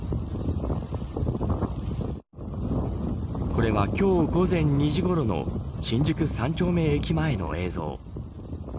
これは今日、午前２時ごろの新宿三丁目駅前の映像。